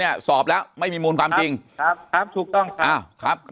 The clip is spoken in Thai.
แต่คุณยายจะขอย้ายโรงเรียน